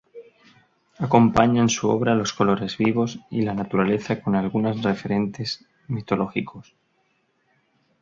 Acompañan su obra los colores vivos y la naturaleza con algunas referentes mitológicos.